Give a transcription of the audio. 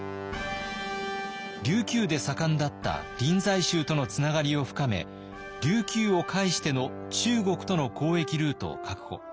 琉球で盛んだった臨済宗とのつながりを深め琉球を介しての中国との交易ルートを確保。